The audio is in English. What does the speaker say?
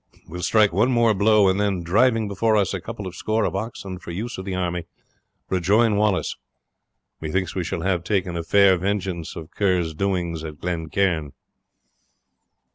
We will strike one more blow, and then, driving before us a couple of score of oxen for the use of the army, rejoin Wallace. Methinks we shall have taken a fair vengeance for Kerr's doings at Glen Cairn."